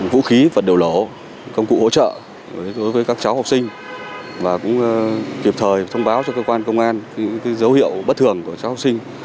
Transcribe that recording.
vũ khí vật điều lỗ công cụ hỗ trợ đối với các cháu học sinh và cũng kịp thời thông báo cho cơ quan công an dấu hiệu bất thường của các cháu học sinh